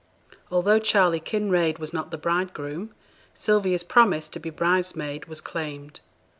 Although Charley Kinraid was not the bridegroom, Sylvia's promise to be bridesmaid was claimed.